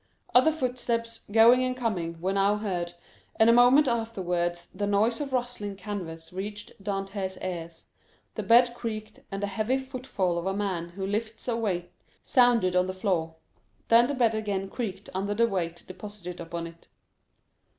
Other footsteps, going and coming, were now heard, and a moment afterwards the noise of rustling canvas reached Dantès' ears, the bed creaked, and the heavy footfall of a man who lifts a weight sounded on the floor; then the bed again creaked under the weight deposited upon it.